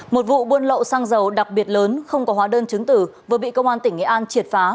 một vụ buôn lậu xăng dầu đặc biệt lớn không có hóa đơn chứng tử vừa bị công an tp hcm triệt phá